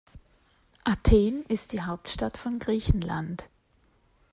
Athen ist die Hauptstadt von Griechenland.